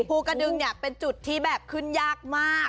ภูกระดึงเนี่ยเป็นจุดที่แบบขึ้นยากมาก